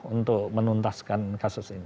untuk menuntaskan kasus ini